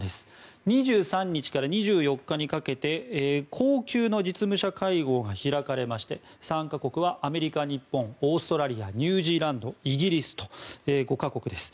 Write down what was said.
２３日から２４日にかけて高級の実務者会合が開かれまして参加国はアメリカ、日本オーストラリアニュージーランドイギリスと５か国です。